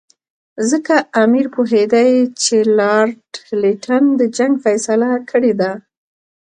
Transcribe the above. ځکه امیر پوهېدی چې لارډ لیټن د جنګ فیصله کړې ده.